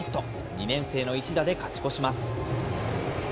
２年生の一打で勝ち越します。